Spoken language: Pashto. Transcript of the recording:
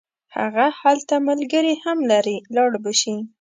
هغه هلته ملګري هم لري لاړ به شي.